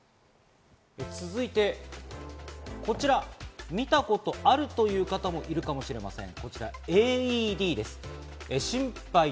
続いてこちら、見たことあるという方もいるかもしれません。